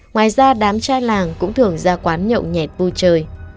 ngoài ra đám trai làng cũng thường ra quán nhậu nhẹt vui chơi